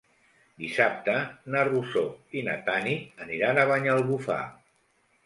Dissabte na Rosó i na Tanit aniran a Banyalbufar.